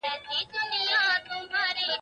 په مال کي د غریب برخه وساتئ.